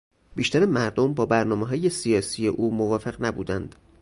بیشتر مردم با برنامههای سیاسی او موافق نبودند.